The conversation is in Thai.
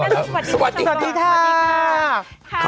ให้เยอะนั่งแทนให้หนุ่มแป๊ะนึงค่ะ